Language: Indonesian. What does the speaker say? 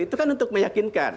itu kan untuk meyakinkan